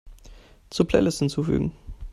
Zur Playlist hinzufügen.